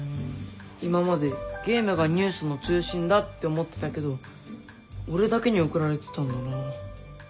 今までゲームがニュースの中心だって思ってたけど俺だけに送られてたんだな。